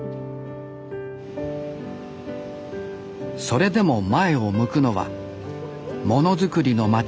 それでも前を向くのはモノづくりの街